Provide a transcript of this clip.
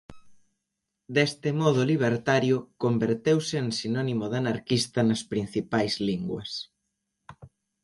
Deste modo libertario converteuse en sinónimo de anarquista nas principais linguas.